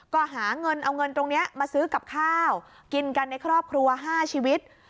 ก็หาเงินเอาเงินตรงนี้มาซื้อกับข้าวกินกันในครอบครัว๕ชีวิต